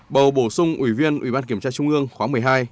bầu bổ sung ủy viên ủy ban kiểm tra trung ương khóa một mươi hai